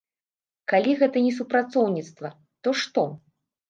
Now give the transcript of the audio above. Калі гэта не супрацоўніцтва, то што?